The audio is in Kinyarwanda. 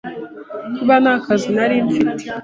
kuba nta kazi narimfite,